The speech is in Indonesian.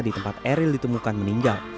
di tempat eril ditemukan meninggal